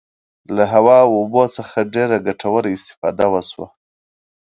له هوا او اوبو څخه ډیره ګټوره استفاده وشوه.